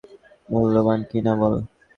মূল্যবান কি না বল?